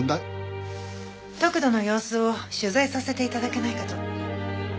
得度の様子を取材させて頂けないかと。